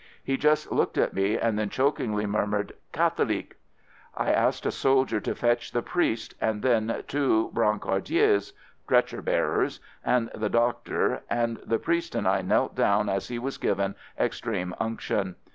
He just looked at me and then chokingly murmured, "Catholic." I asked a soldier to fetch the priest and then two brancardiers (stretcher bearers) and the doctor — the priest and I knelt down as he was given extreme unction.